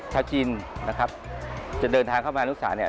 ชาวจีนจะเดินทางเข้ามาอนุสาร